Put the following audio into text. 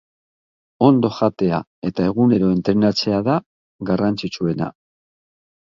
Ondo jatea eta egunero entrenatzea da garrantzitsuena.